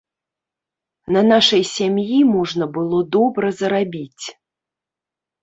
На нашай сям'і можна было добра зарабіць.